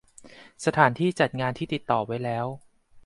สถานที่จัดงานที่ติดต่อไว้แล้ว